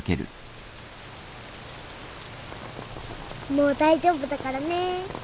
もう大丈夫だからね。